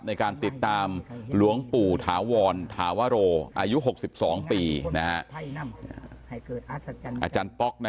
ในการติดตามหลวงปู่ถารวรถารวโรอายุ๖๒ปีนะฮะ